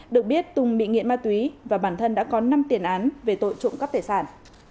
được biết tùng bị nghiện ma túy và bản thân đã có năm tiền án về tội trộm cắp tài sản